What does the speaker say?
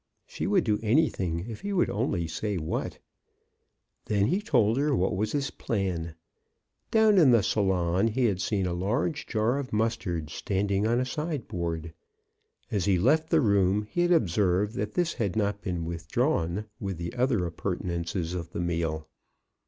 She would do any thing if he would only say what. Then he told her what was his plan. Down in the salon he had seen a large jar of mustard standing on a sideboard. As he left the room he had ob served that this had not been withdrawn with the other appurtenances of the meal.